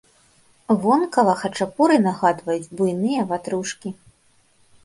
Вонкава хачапуры нагадваюць буйныя ватрушкі.